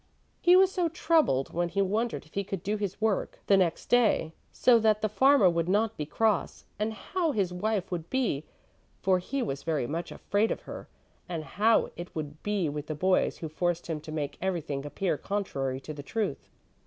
He was so troubled, when he wondered if he could do his work the next day, so that the farmer would not be cross, and how his wife would be, for he was very much afraid of her, and how it would be with the boys, who forced him to make everything appear contrary to the truth.